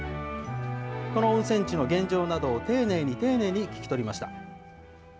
この温泉地の現状などを丁寧に、丁寧に聞き取りました。